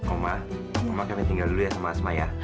oma kami tinggal dulu ya sama asma ya